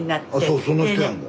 そうその人やんか。